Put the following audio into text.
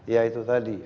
ya itu tadi